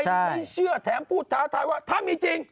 ไม่เชื่อแถมพูดท้าทายว่าถ้ามีจริง